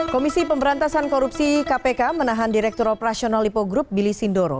komisi pemberantasan korupsi kpk menahan direktur operasional lipo group billy sindoro